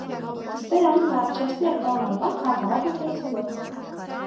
Դստեր անունն առաջացել է հոր անվան հակառակ ընթերցելով։